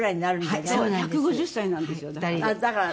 １５０歳なんですよだから。